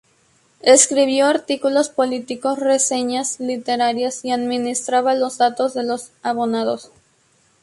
Escribió artículos políticos, reseñas literarias y administraba los datos de los abonados.